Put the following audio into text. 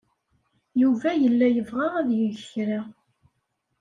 Yuba yella yebɣa ad yeg kra.